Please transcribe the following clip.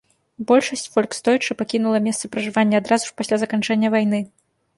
Большасць фольксдойчэ пакінула месцы пражывання адразу ж пасля заканчэння войны.